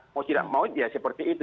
mau tidak mau ya seperti itu